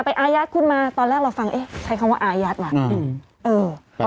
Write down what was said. อายัดคุณมาตอนแรกเราฟังเอ๊ะใช้คำว่าอายัดว่ะอืมเออ